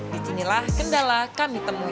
disinilah kendala kami temui